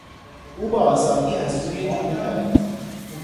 او به آسانی از روی جوی پرید.